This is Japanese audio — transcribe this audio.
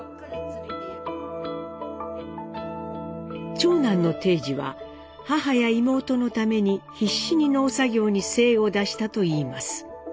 長男の貞次は母や妹のために必死に農作業に精を出したといいます。